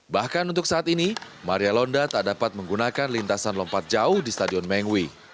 bahkan untuk saat ini maria londa tak dapat menggunakan lintasan lompat jauh di stadion mengwi